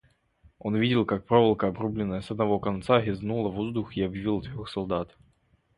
Он видел, как проволока, обрубленная с одного конца, резнула воздух и обвила трех солдат.